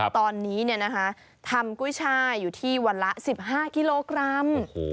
ตอนนี้ทำกุ้ยช่ายอยู่ที่วันละ๑๕กิโลกรัม